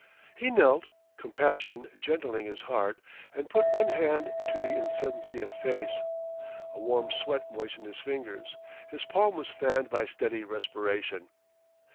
He knelt, compassion gentling his heart, and put one hand to the insentient face. A warm sweat moistened his fingers; his palm was fanned by steady respiration.